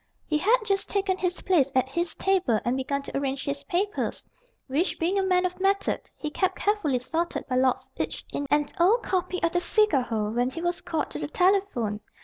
He had just taken his place at his table and begun to arrange his papers, which, being a man of method, he kept carefully sorted by lots each in an old copy of the Figaro, when he was called to the telephone.